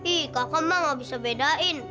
ih kakak mah nggak bisa bedain